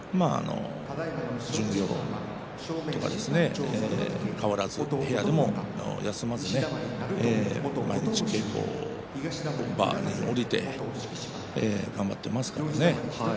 巡業とか変わらず部屋でも休まず毎日、稽古場に下りて頑張っていますからね。